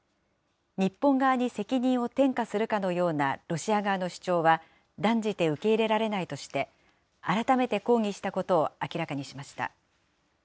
日本側に責任を転嫁するかのようなロシア側の主張は、断じて受け入れられないとして、改めて抗議したことを明らかにしました。